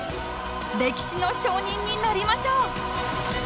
歴史の証人になりましょう！